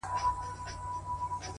• ور څرگنده یې آرزو کړه له اخلاصه ,